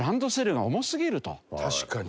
確かに。